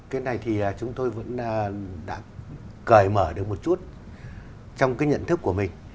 cái này thì chúng tôi vẫn đã cởi mở được một chút trong cái nhận thức của mình